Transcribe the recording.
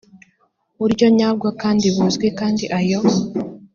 buryo nyabwo kandi buzwi kandi ayo